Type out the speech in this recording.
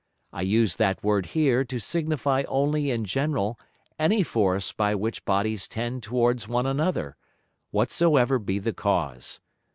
I use that Word here to signify only in general any Force by which Bodies tend towards one another, whatsoever be the Cause.